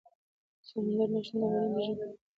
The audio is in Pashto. سمندر نه شتون د افغانانو د ژوند طرز اغېزمنوي.